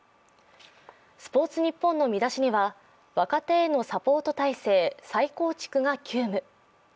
「スポーツニッポン」の見出しには若手へのサポート体制再構築が急務。